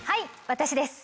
私です。